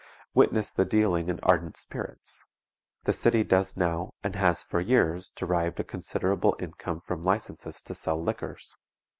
Witness the dealing in ardent spirits. The city does now, and has for years derived a considerable income from licenses to sell liquors.